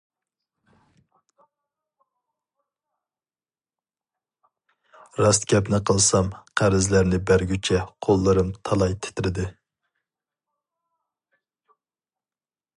راست گەپنى قىلسام قەرزلەرنى بەرگۈچە قوللىرىم تالاي تىترىدى.